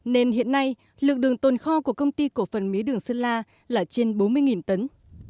nên hiện nay lượng đường tồn kho của công ty cổ phần mía đường sơn la là trên bốn mươi tấn